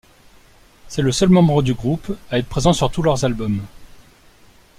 C'est le seul membre du groupe à être présent sur tous leur albums.